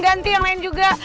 ganti yang lain juga